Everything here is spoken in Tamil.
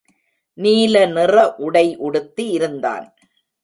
நீலநிற உடை உடுத்தி இருந்தான்.